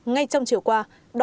ngay trong chiều qua